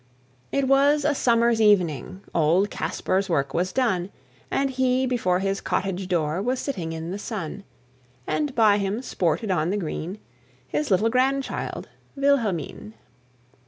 It was a summer's evening, Old Kaspar's work was done, And he before his cottage door Was sitting in the sun; And by him sported on the green His little grandchild Wilhelmine.